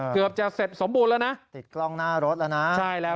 เกือบจะเสร็จสมบูรณ์แล้วนะติดกล้องหน้ารถแล้วนะใช่แล้ว